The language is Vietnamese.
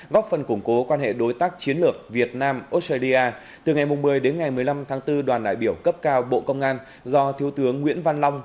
góp phần củng cố quan hệ đối tác chiến lược việt nam australia từ ngày một mươi đến ngày một mươi năm tháng bốn đoàn đại biểu cấp cao bộ công an do thiếu tướng nguyễn văn long